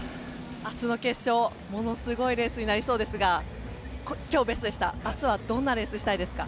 明日は決勝ものすごいレースになりそうですが今日ベストでしたが明日はどんなレースにしたいですか？